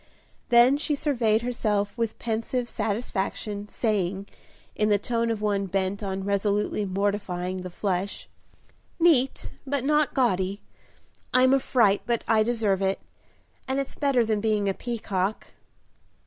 Then she surveyed herself with pensive satisfaction, saying, in the tone of one bent on resolutely mortifying the flesh, "Neat but not gaudy; I'm a fright, but I deserve it, and it's better than being a peacock."